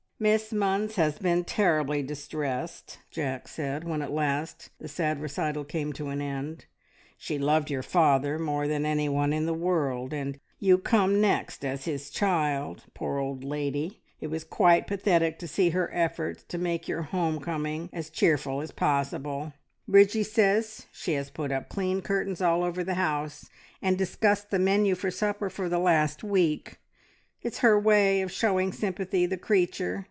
"Miss Munns has been terribly distressed," Jack said, when at last the sad recital came to an end. "She loved your father more than anyone in the world, and you come next as his child. Poor old lady! it was quite pathetic to see her efforts to make your home coming as cheerful as possible. Bridgie says she has put up clean curtains all over the house, and discussed the menu for supper for the last week. It's her way of showing sympathy, the creature!